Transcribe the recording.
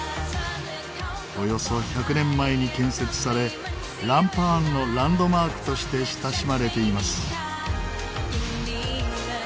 およそ１００年前に建設されランパーンのランドマークとして親しまれています。